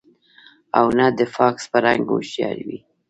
او نۀ د فاکس پۀ رنګ هوښيار وي